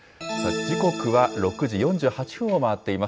時刻は６時４８分を回っています。